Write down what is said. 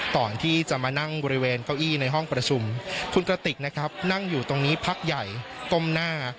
ก่อนที่จะมานั่งบริเวณเก้าอี้ในห้องประชุมคุณกระติกนะครับนั่งอยู่ตรงนี้พักใหญ่ก้มหน้า